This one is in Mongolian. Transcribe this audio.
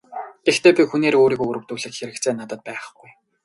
Гэхдээ би хүнээр өөрийгөө өрөвдүүлэх хэрэгцээ надад байхгүй.